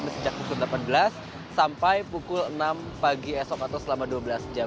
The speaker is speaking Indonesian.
sejak pukul delapan belas sampai pukul enam pagi esok atau selama dua belas jam